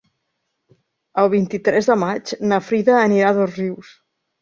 El vint-i-tres de maig na Frida anirà a Dosrius.